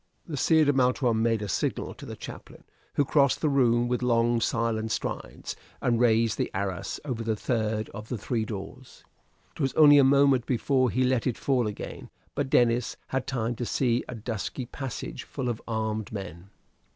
The Sire de Maletroit made a signal to the chaplain, who crossed the room with long silent strides and raised the arras over the third of the three doors. It was only a moment before he let it fall again; but Denis had time to see a dusky passage full of armed men.